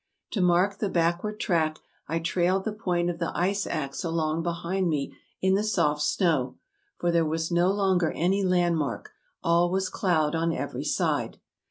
To mark the backward track I trailed the point of the ice ax along behind me in the soft snow, for there was no longer any landmark; all was cloud on every side.